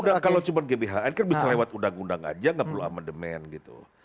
karena kalau cuman gbhn kan bisa lewat undang undang aja gak perlu amandemen gitu